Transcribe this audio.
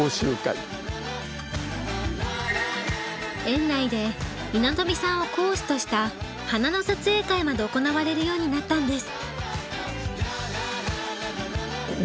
園内で稲富さんを講師とした花の撮影会まで行われるようになったんです。